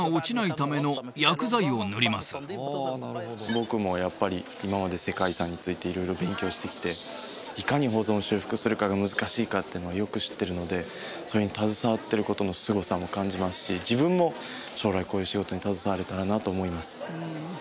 僕もやっぱり今まで世界遺産について色々勉強してきていかに保存修復するかが難しいかっていうのはよく知ってるのでそれに携わってることのすごさも感じますし自分も将来こういう仕事に携われたらなと思います